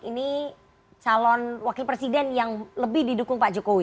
ini calon wakil presiden yang lebih didukung pak jokowi